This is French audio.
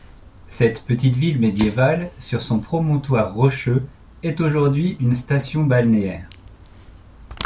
Cette petite ville médiévale, sur son promontoire rocheux, est aujourd'hui une station balnéaire.